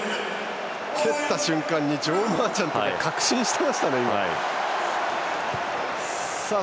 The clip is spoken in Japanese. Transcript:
蹴った瞬間にジョー・マーチャントが確信していましたね。